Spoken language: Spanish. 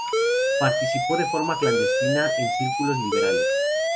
Participó de forma clandestina en círculos liberales.